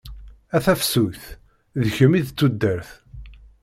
A tafsut, d kemm i d tudert.